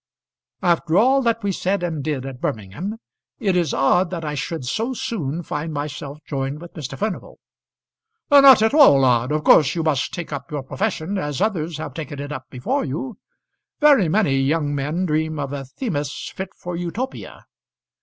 "After all that we said and did at Birmingham, it is odd that I should so soon find myself joined with Mr. Furnival." "Not at all odd. Of course you must take up your profession as others have taken it up before you. Very many young men dream of a Themis fit for Utopia.